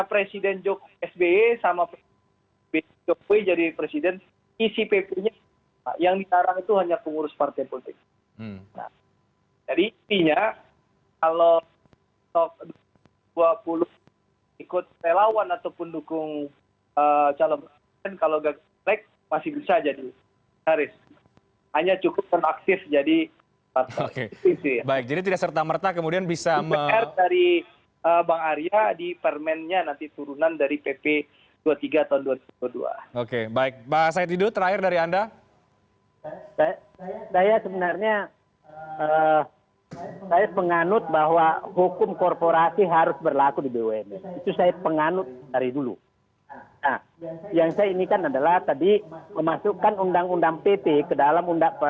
penganut dari dulu yang saya ini kan adalah tadi memasukkan undang undang pt ke dalam undang